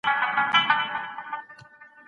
د لاسونو پرېکول د غلا لپاره سخته سزا ده.